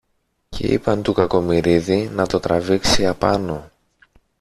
και είπαν του Κακομοιρίδη να το τραβήξει απάνω